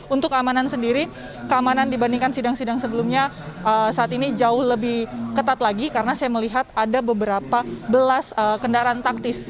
untuk keamanan sendiri keamanan dibandingkan sidang sidang sebelumnya saat ini jauh lebih ketat lagi karena saya melihat ada beberapa belas kendaraan taktis